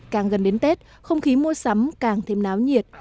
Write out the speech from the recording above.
càng gần đến tết không khí mua sắm càng thêm náo nhiệt